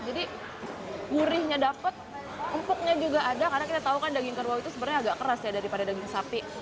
jadi gurihnya dapet empuknya juga ada karena kita tahu kan daging kerbau itu sebenarnya agak keras ya daripada daging sapi